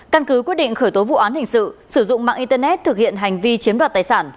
căn cứ quyết định khởi tố vụ án hình sự sử dụng mạng internet thực hiện hành vi chiếm đoạt tài sản